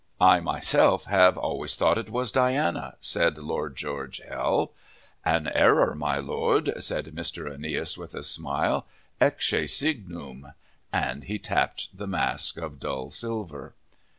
"I myself have always thought it was Diana," said Lord George Hell. "An error, my Lord!" said Mr. Aeneas, with a smile. "Ecce signum!" And he tapped the mask of dull silver.